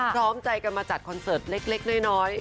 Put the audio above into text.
พร้อมใจกันมาจัดคอนเสิร์ตเล็กน้อย